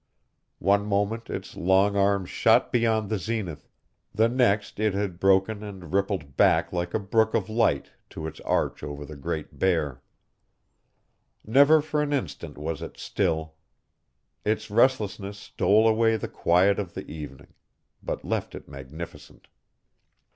One moment its long arms shot beyond the zenith; the next it had broken and rippled back like a brook of light to its arch over the Great Bear. Never for an instant was it still. Its restlessness stole away the quiet of the evening; but left it magnificent.